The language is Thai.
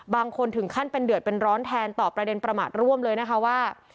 บางคนถึงขั้นเป็นเดือดเป็นร้อนแทนต่อประเด็นประมาทร่วมเลยนะคะว่า